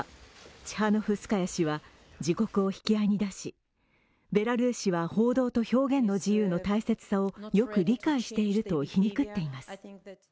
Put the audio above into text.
チハノフスカヤ氏は自国を引き合いに出し、ベラルーシは報道と表現の自由の大切さをよく理解していると皮肉っています。